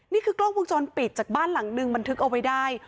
นี่คือกล้องวงจรปิดจากบ้านหลังนึงบันทึกเอาไว้ได้